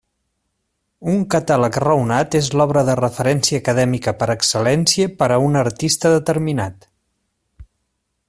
Un catàleg raonat és l'obra de referència acadèmica per excel·lència per a un artista determinat.